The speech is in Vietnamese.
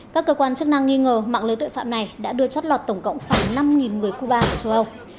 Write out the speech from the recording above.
các cơ quan chức năng nghi ngờ mạng lưới tội phạm này đã đưa chót lọt tổng cộng khoảng năm người cuba ở châu âu